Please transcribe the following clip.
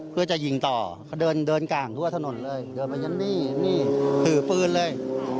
เพื่อจะหยิงต่อเพราะเดินกลางทั่วถนนเลยเดินไปเย็นทื้อปืนเลย